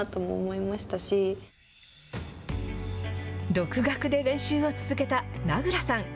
独学で練習を続けた名倉さん。